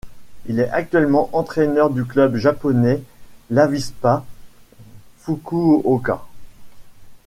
Il est actuellement entraîneur du club japonais l’Avispa Fukuoka.